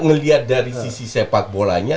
melihat dari sisi sepak bolanya